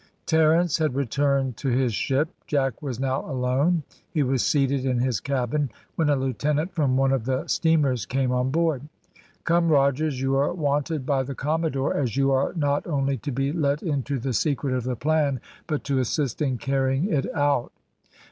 Terence had returned to his ship: Jack was now alone. He was seated in his cabin, when a lieutenant from one of the steamers came on board: "Come, Rogers, you are wanted by the commodore, as you are not only to be let into the secret of the plan, but to assist in carrying it out."